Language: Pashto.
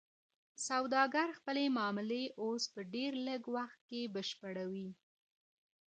سوداګر خپلې معاملې اوس په ډیر لږ وخت کې بشپړوي.